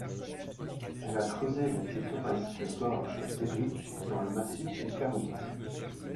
Elle a creusé les pittoresques Gorges d'Héric dans le Massif du Caroux.